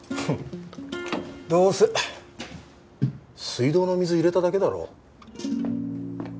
フンッどうせ水道の水入れただけだろ？